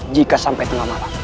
jika sampai tengah malam